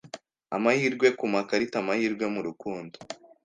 Amahirwe ku makarita, amahirwe mu rukundo.